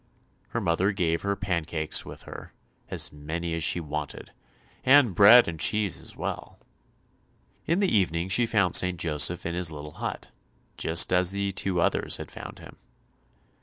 Her mother gave her pancakes with her—as many as she wanted, and bread and cheese as well. In the evening she found St. Joseph in his little hut, just as the two others had found him.